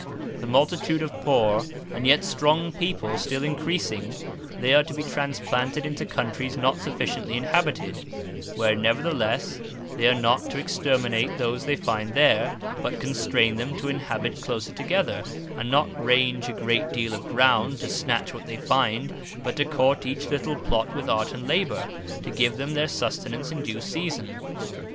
The multitude of poor, and yet strong people still encreasing, they are to be transplanted into Countries not sufficiently inhabited: where neverthelesse, they are not to exterminate those they find there; but constrain them to inhabit closer together, and not range a great deal of ground, to snatch what they find; but to court each little Plot with art and labour, to give them their sustenance in due season.